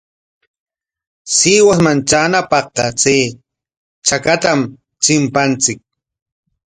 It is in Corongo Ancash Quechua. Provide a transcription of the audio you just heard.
Sihuasman traanapaqqa chay chakatam chimpanchik.